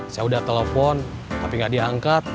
saya udah telepon tapi gak diangkat